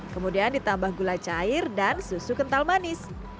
kemudian ditambah gula cair dan susu kental manis